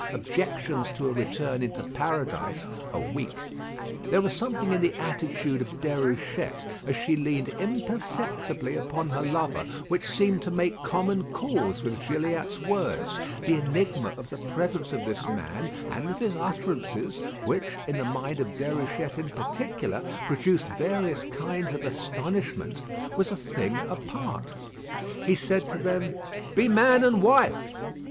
Objections to a return into Paradise are weak. There was something in the attitude of Déruchette, as she leaned imperceptibly upon her lover, which seemed to make common cause with Gilliatt's words. The enigma of the presence of this man, and of his utterances, which, in the mind of Déruchette in particular, produced various kinds of astonishment, was a thing apart. He said to them, "Be man and wife!"